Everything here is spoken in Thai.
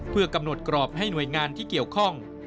เพื่อกำหนดกรอบให้หน่วยงานที่เกี่ยวข้อง